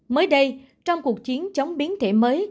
mới đây trong cuộc chiến chống biến thể mới